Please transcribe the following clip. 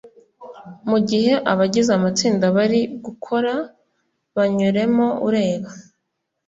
mu gihe abagize amatsinda bari gukora banyuremo ureba